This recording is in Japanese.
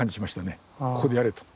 ここでやれと。